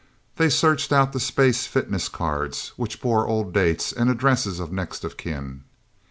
They searched out the space fitness cards, which bore old dates, and addresses of next of kin.